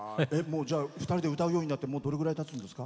２人で歌うようになってどのくらいたつんですか？